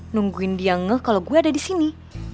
nungguin dia ngeh kalau gue ada disini